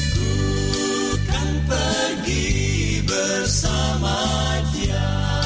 ku kan pergi bersamanya